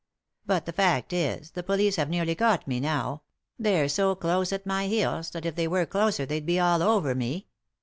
But the feet is, the police have nearly got me now; they're so close at my heels that if they were closer they'd be all over me.